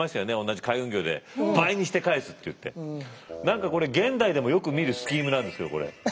何かこれ現代でもよく見るスキームなんですけどこれ。